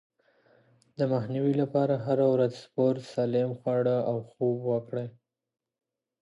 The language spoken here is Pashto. د مخنيوي لپاره هره ورځ سپورت، سالم خواړه او خوب وکړئ.